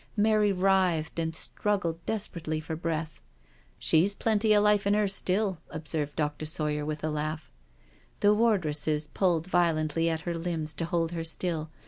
Mary writhed and struggled des perately for breath. " She's plenty of life in her still/' observed Dr. Sawyer with a laugh. The wardresses pulled violently at her limbs to hold her still.